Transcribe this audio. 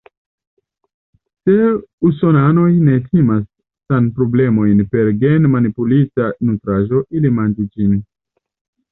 Se usonanoj ne timas sanproblemojn per gen-manipulita nutraĵo, ili manĝu ĝin.